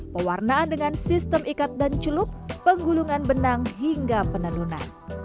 pewarnaan dengan sistem ikat dan celup penggulungan benang hingga penenunan